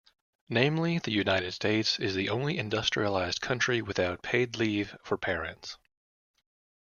Namely, the United States is the only industrialized country without paid leave for parents.